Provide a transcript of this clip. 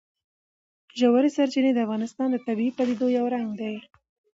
ژورې سرچینې د افغانستان د طبیعي پدیدو یو رنګ دی.